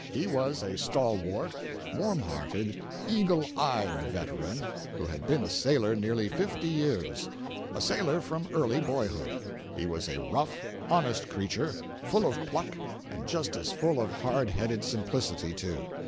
He was a stalwart, warm hearted, eagle eyed veteran, who had been a sailor nearly fifty years—a sailor from early boyhood. He was a rough, honest creature, full of pluck, and just as full of hard headed simplicity, too.